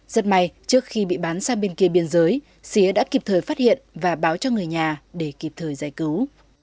rất may trước khi bị bán sang bên kia biên giới xía đã kịp thời phát hiện và báo cho người nhà để kịp thời giải cứu